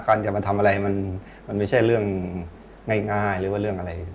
การจะมาทำอะไรมันไม่ใช่เรื่องง่ายหรือว่าเรื่องอะไร